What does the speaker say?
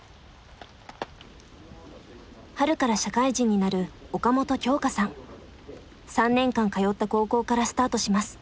春から社会人になる３年間通った高校からスタートします。